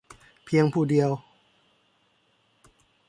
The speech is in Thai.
เพียงผู้เดียว